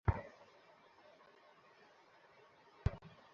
সে একা বসে-বসে খেয়েছে!